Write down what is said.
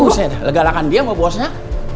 usah ya lega legaan dia sama bosnya